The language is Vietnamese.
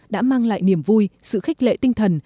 đã mang lại niềm vui sự khích lệ tinh thần